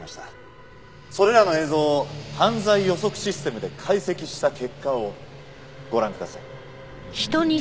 それらの映像を犯罪予測システムで解析した結果をご覧ください。